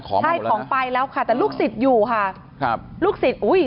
ของมาหมดแล้วนะใช่ของไปแล้วค่ะแต่ลูกศิษย์อยู่ค่ะครับลูกศิษย์อุ้ย